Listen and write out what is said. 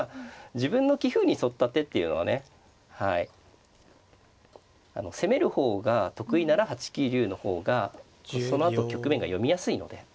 自分の棋風に沿った手っていうのはねはい攻める方が得意なら８九竜の方がそのあと局面が読みやすいので。